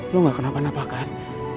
lu gak kenapa napakan